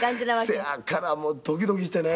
せやからもうドキドキしてね。